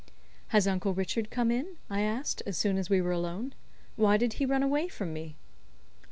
"Has Uncle Richard come in?" I asked, as soon as we were alone. "Why did he run away from me?"